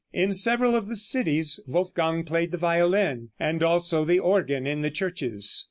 In several of the cities, Wolfgang played the violin, and also the organ in the churches.